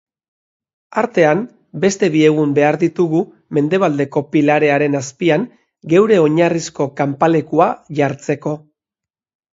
Artean beste bi egun behar ditugu mendebaldeko pilarearen azpian geure oinarrizko kanpalekua jartzeko.